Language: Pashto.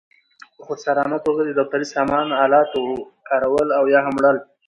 په خودسرانه توګه د دفتري سامان آلاتو کارول او یا هم وړل.